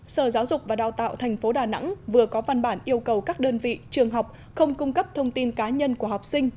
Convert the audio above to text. sở giáo dục và đào tạo tp đà nẵng vừa có văn bản yêu cầu các đơn vị trường học không cung cấp thông tin cá nhân của học sinh